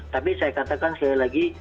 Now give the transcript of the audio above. tapi saya katakan sekali lagi